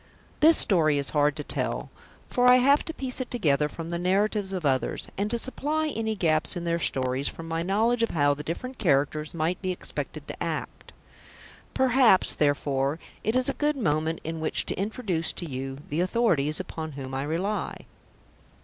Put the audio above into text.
This story is hard to tell, for I have to piece it together from the narratives of others, and to supply any gaps in their stories from my knowledge of how the different characters might be expected to act. Perhaps, therefore, it is a good moment in which to introduce to you the authorities upon whom I rely.